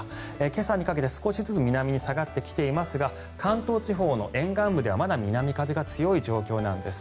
今朝にかけて少しずつ南に下がってきていますが関東地方の沿岸部ではまだ南風が強い状況なんです。